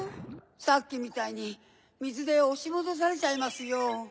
さっきみたいにみずでおしもどされちゃいますよ。